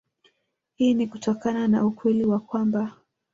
Hii ni kutokana na ukweli wa kwamba